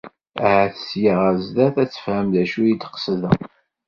Ahat ssya ɣer zdat ad tefhem d acu i d-qesdeɣ.